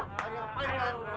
apa yang kalian lakukan